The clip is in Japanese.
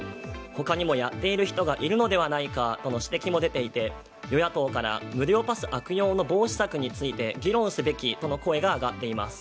他にもやっている人がいるのではないかとの指摘も出ていて、与野党から無料パス悪用の防止策について議論すべきとの声が上がっています。